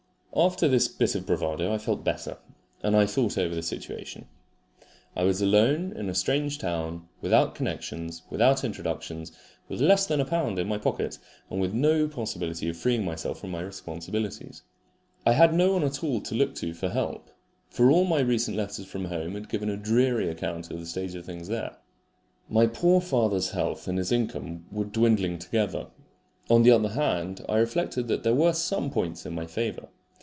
After this bit of bravado I felt better, and I thought over the situation. I was alone in a strange town, without connections, without introductions, with less than a pound in my pocket, and with no possibility of freeing myself from my responsibilities. I had no one at all to look to for help, for all my recent letters from home had given a dreary account of the state of things there. My poor father's health and his income were dwindling together. On the other hand, I reflected that there were some points in my favour.